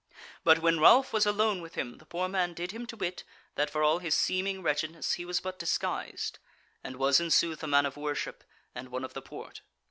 But when Ralph was alone with him, the poor man did him to wit that for all his seeming wretchedness he was but disguised, and was in sooth a man of worship, and one of the Porte.